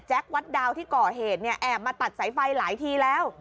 วัดดาวที่ก่อเหตุเนี่ยแอบมาตัดสายไฟหลายทีแล้ว